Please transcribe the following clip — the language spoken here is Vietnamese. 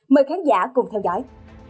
mời khán giả cùng theo dõi